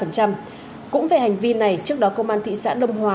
cũng về hành vi này trước đó công an thị xã đông hòa